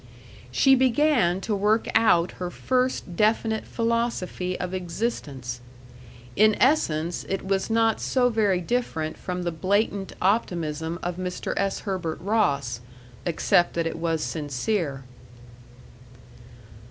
She began to work out her first definite philosophy of existence. In essence it was not so very different from the blatant optimism of Mr. S. Herbert Ross except that it was sincere.